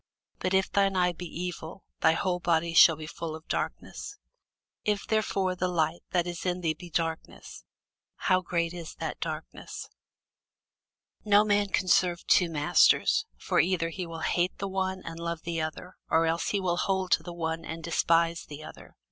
But if thine eye be evil, thy whole body shall be full of darkness. If therefore the light that is in thee be darkness, how great is that darkness! [Sidenote: St. Matthew 6] No man can serve two masters: for either he will hate the one, and love the other; or else he will hold to the one, and despise the other.